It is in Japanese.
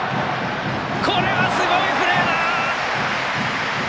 これはすごいプレーだ！